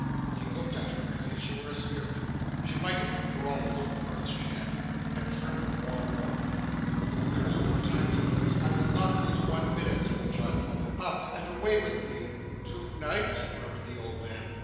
He looked at her as if she were a spirit she might have been for all the look of earth she had and trembled more and more. 'There is no time to lose; I will not lose one minute,' said the child. 'Up! and away with me!' 'To night?' murmured the old man.